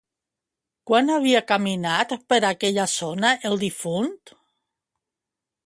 Quan havia caminat per aquella zona el difunt?